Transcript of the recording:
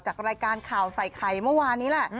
จากรายการข่าวใส่ไข่เมื่อวานนี้แหละ